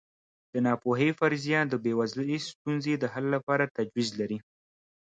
د ناپوهۍ فرضیه د بېوزلۍ ستونزې د حل لپاره تجویز لري.